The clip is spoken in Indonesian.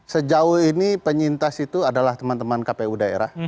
sejauh ini penyintas itu adalah teman teman kpu daerah